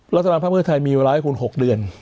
รัฐบาลภาคเพื่อไทยมีเวลาให้คุณ๖เดือน